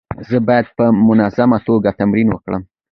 زه باید په منظمه توګه تمرین وکړم.